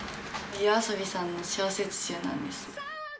ＹＯＡＳＯＢＩさんの小説集なんです。